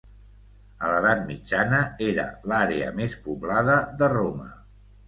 A l'edat mitjana, era l'àrea més poblada de Roma.